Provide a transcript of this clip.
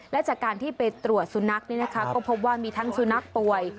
และจากการที่ไปตรวจสุนัขก็พบว่ามีทั้งสุนัขป่วย